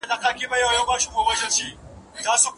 آیا چکش تر تبر کوچنی دی؟